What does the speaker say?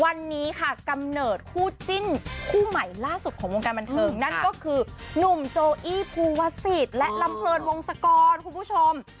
วันนี้ค่ะกำเนิดคู่จิ้นคู่ใหม่ล่าสุดของวงการบันเทิงนั่นก็คือหนุ่มโจอี้ภูวศิษย์และลำเพลินวงศกรคุณผู้ชม